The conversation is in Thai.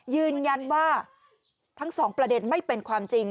ยืนยันว่าทั้งสองประเด็นไม่เป็นความจริง